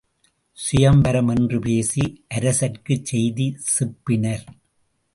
சுயம்வரம் என்று பேசி அரசர்க்குச் செய்தி செப்பினர்.